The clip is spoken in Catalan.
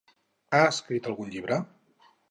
Ha escrit algun llibre?